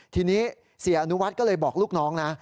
ทีนี้เสียอนุวัฒน์ก็เลยบอกลูกน้องนะ